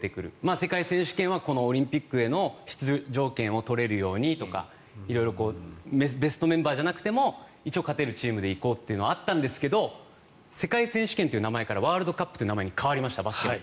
世界選手権はオリンピックへの出場権を取れるようにとか色々ベストメンバーじゃなくても一応勝てるチームで行こうというのはあったんですけど世界選手権という名前からワールドカップという名前に変わりました、バスケも。